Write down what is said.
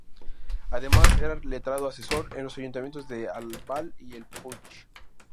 Además, era letrado asesor en los ayuntamientos de Albal y El Puig.